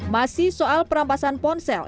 masih soal perampasan ponsel